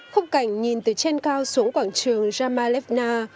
khúc cảnh nhìn từ trên cao xuống quảng trường jamal e fna